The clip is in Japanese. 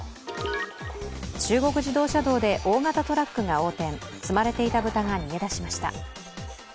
中国自動車道で大型トラックが横転、積まれていた豚が逃げ出しました。